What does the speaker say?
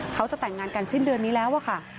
เขาจะแต่งงานกันสิ้นเดือนนี้แล้วอะค่ะ